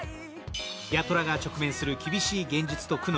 八虎が直面する厳しい現実と苦悩。